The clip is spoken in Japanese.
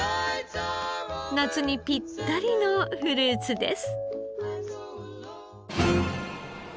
夏にぴったりのフルーツです。